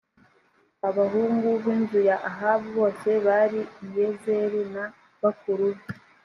abahungu b’inzu ya ahabu bose bari i yezeli na bakuru be